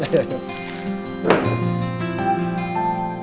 masuk ke angin